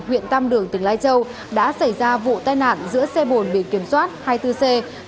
huyện tam đường tỉnh lai châu đã xảy ra vụ tai nạn giữa xe bồn biển kiểm soát hai mươi bốn c sáu nghìn ba trăm bảy mươi sáu